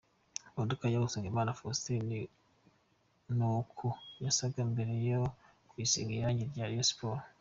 Imodoka ya Usengimana Faustin ni uku yasaga mbere yo kuyisiga irangi rya Rayon Sport.